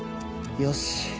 よし。